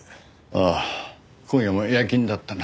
ああ今夜も夜勤だったな。